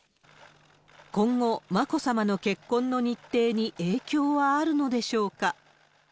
今後、眞子さまの結婚の日程に影響はあるのでしょうか。